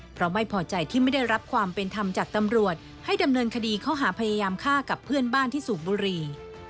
เพราะไม่พอใจที่ไม่ได้รับความเป็นธรรมจากตำรวจให้ดำเนินคดีข้อหาพยายามฆ่ากับเพื่อนบ้านที่สูบบุรี